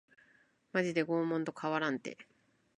マジで拷問と変わらんて